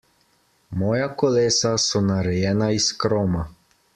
Moja kolesa so narejena iz kroma.